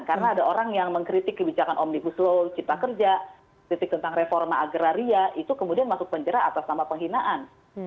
karena ada orang yang mengkritik kebijakan omnibus law cipta kerja kritik tentang reforma agraria itu kemudian masuk penjara atas nama penghinaan